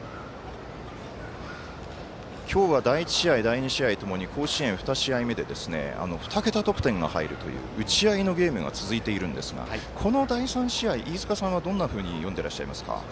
今日は第１試合、第２試合ともに甲子園２試合目で２桁得点が入るという打ち合いのゲームが続いているんですがこの第３試合、飯塚さんはどんなふうに読んでいらっしゃいますか？